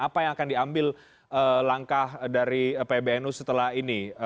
apa yang akan diambil langkah dari pbnu setelah ini